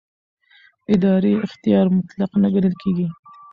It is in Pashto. اداري اختیار مطلق نه ګڼل کېږي.